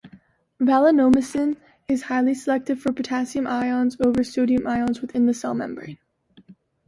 Valinomycin is highly selective for potassium ions over sodium ions within the cell membrane.